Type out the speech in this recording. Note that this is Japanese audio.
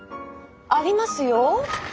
ありますよ。